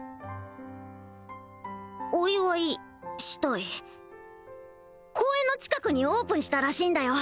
お祝いしたい公園の近くにオープンしたらしいんだよ